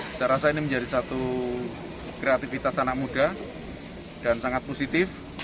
saya rasa ini menjadi satu kreativitas anak muda dan sangat positif